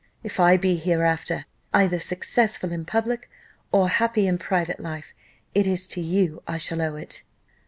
If I be hereafter either successful in public, or happy in private life, it is to you I shall owe it."